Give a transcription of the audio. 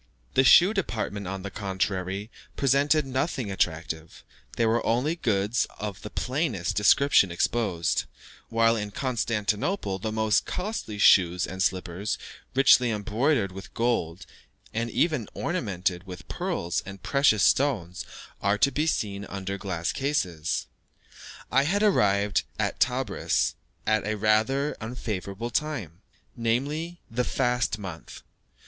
The shoe department, on the contrary, presented nothing attractive; there were only goods of the plainest description exposed; while in Constantinople the most costly shoes and slippers, richly embroidered with gold, and even ornamented with pearls and precious stones, are to be seen under glass cases. I had arrived at Tebris at a rather unfavourable time namely, the fast month.